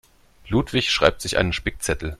Ludwig schreibt sich einen Spickzettel.